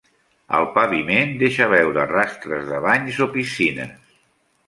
El paviment deixa veure rastres de banys o piscines.